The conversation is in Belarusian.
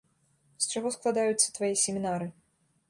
З чаго складаюцца твае семінары?